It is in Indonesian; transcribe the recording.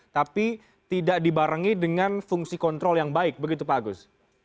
tapi tidak dibarengi dengan fungsi kontrol yang baik begitu pak agus